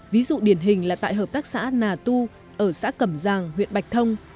ví dụ điển hình là tại hợp tác xã nà tu ở xã cẩm giàng huyện bạch thông